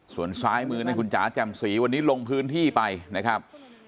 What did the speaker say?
ส่วนซ้ายมือนั่นคุณจ๋าแจ่มสีวันนี้ลงพื้นที่ไปนะครับ